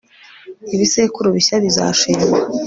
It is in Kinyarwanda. Ibisekuru bishya bizashingwa